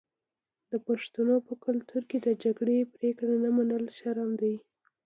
د پښتنو په کلتور کې د جرګې پریکړه نه منل شرم دی.